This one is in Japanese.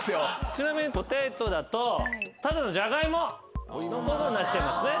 ちなみに「ｐｏｔａｔｏ」だとただのジャガイモのことになっちゃいますね。